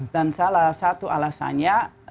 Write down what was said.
dan salah satu alasannya